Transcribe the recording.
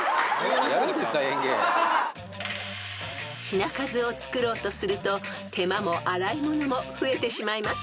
［品数を作ろうとすると手間も洗い物も増えてしまいます］